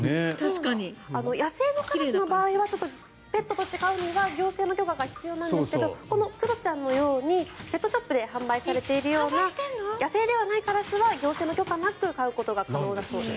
野生のカラスの場合はペットとして飼うには行政の許可が必要ですがこのクロちゃんのようにペットショップで販売されているような野生でないカラスは行政の許可なく飼うことが可能だそうです。